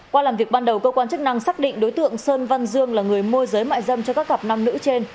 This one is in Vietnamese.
qua làm việc ban đầu cơ quan chức năng xác định đối tượng sơn văn dương là người môi giới mại dâm cho các cặp nam nữ trên